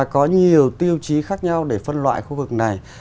có nhiều tiêu chí khác nhau để phân loại khu vực này